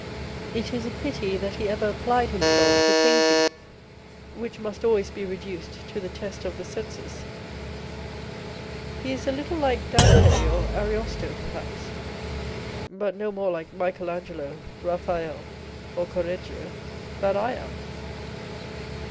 It is a pity that he ever applied himself to painting, which must always be reduced to the test of the senses. He is a little like Dante or Ariosto, perhaps ; but no more like Michael Angelo, Eaphael, or Correggio, than I am.